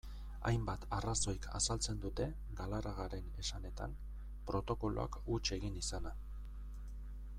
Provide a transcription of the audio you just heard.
Hainbat arrazoik azaltzen dute, Galarragaren esanetan, protokoloak huts egin izana.